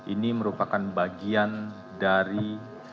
ini merupakan bagian dari